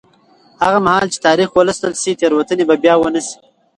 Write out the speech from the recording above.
هغه مهال چې تاریخ ولوستل شي، تېروتنې به بیا ونه شي.